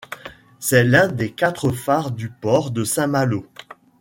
C'est l'un des quatre phares du port de Saint-Malo.